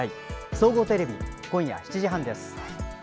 総合テレビ今夜７時半です。